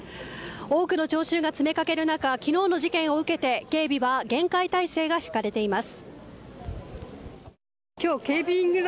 多くの聴衆が詰めかける中昨日の事件を受けて警備は厳戒態勢が敷かれています。